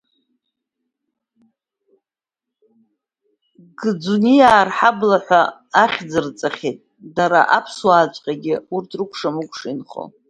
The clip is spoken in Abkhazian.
Гәыӡуниаа рҳабла ҳәа ахьӡырҵахьеит, дара аԥсуааҵәҟьагьы урҭ рыкәша-мыкәша инхо.